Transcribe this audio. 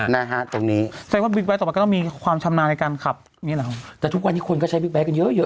นะฮะตรงนี้แสดงว่าบิ๊กบั๊ยต่อมาก็ต้องมีความชำนาญในการขับมิลาแต่ทุกวันนี้ควรก็ใช้บิ๊กบั๊ยกันเยอะ